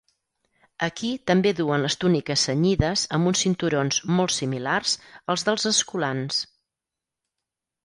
Aquí també duen les túniques cenyides amb uns cinturons molt similars als dels escolans.